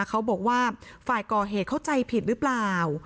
เขาบอกว่าฝ่ายก่อเหตุเข้าใจผิดหรือเปล่า